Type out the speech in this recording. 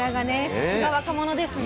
さすが若者ですね。